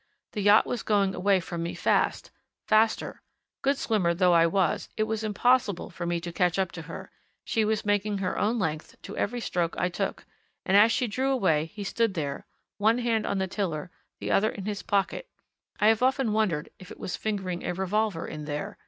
The yacht was going away from me fast faster; good swimmer though I was, it was impossible for me to catch up to her she was making her own length to every stroke I took, and as she drew away he stood there, one hand on the tiller, the other in his pocket (I have often wondered if it was fingering a revolver in there!)